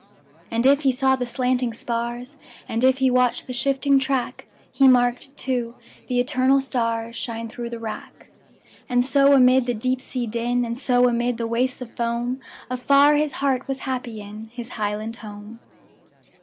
And if he saw the slanting spars, And if he watched the shifting track, He marked, too, the eternal starsShine through the wrack. And so amid the deep sea din, And so amid the wastes of foam, Afar his heart was happy inHis highland home!